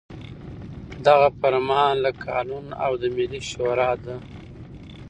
دغه فرمان له قانون او د ملي شـوري د